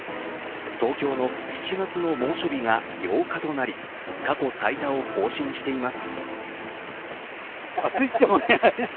東京の７月の猛暑日が８日となり過去最多を更新しています。